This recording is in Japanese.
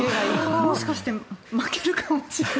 もしかして、負けるかもって。